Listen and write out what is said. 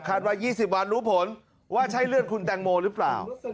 ว่า๒๐วันรู้ผลว่าใช่เลือดคุณแตงโมหรือเปล่า